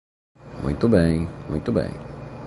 Muito bem, muito bem.